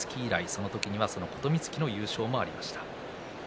その時には、その琴光喜の優勝もありました。